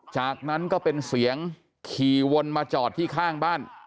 จากนั้นก็เป็นเสียงขี่วนมาจอดที่ข้างบ้าน